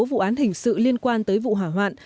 vụ án hình sự liên quan tới vụ hỏa hoạn